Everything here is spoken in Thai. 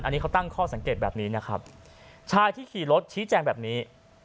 อันนี้เขาตั้งข้อสังเกตแบบนี้นะครับชายที่ขี่รถชี้แจงแบบนี้